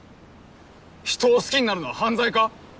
人を好きになるのは犯罪か？